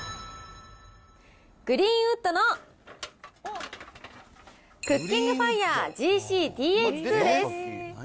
グリーンウッドのクッキングファイヤーＧＣーＴＨ２です。